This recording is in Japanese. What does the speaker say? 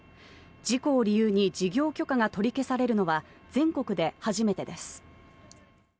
事故を理由に事業許可が取り消されるのは全国で初めてです。